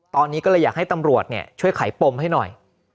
ตอนนี้ก็เลยอยากให้ตำรวจช่วยไขปมให้หน่อย